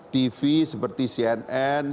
tv seperti cnn